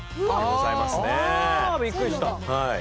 あびっくりした。